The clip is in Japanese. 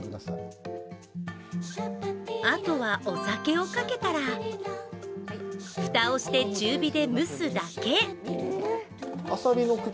あとはお酒をかけたら蓋をして中火で蒸すだけ。